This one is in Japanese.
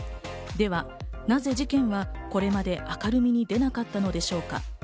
では、なぜ事件はこれまで明るみに出なかったのでしょうか？